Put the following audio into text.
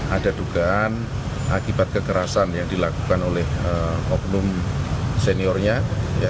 ada dugaan akibat kekerasan yang dilakukan oleh oknum seniornya